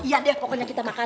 iya deh pokoknya kita makan